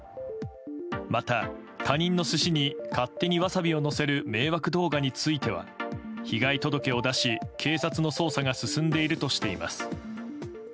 また、他人の寿司に勝手にワサビをのせる迷惑動画については被害届を出し警察の捜査が進んでいるとしています。